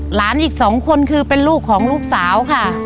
หลานอีก๒คนคือเป็นลูกของลูกสาวค่ะ